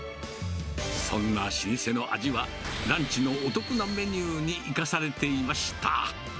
そんな老舗の味は、ランチのお得なメニューに生かされていました。